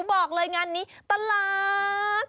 บอกเลยงานนี้ตลาด